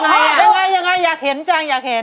มันยังไงอะยังไงอยากเห็นจังอยากเห็น